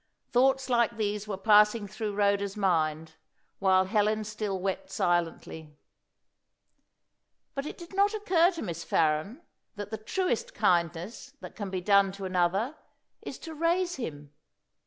Thoughts like these were passing through Rhoda's mind, while Helen still wept silently. But it did not occur to Miss Farren that the truest kindness that can be done to another is to raise him.